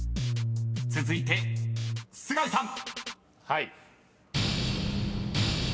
［続いて須貝さん］